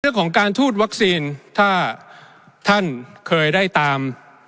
เรื่องของการทูตวัคซีนถ้าท่านเคยได้ตาม